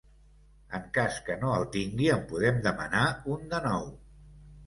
En cas que no el tingui, en podem demanar un de nou.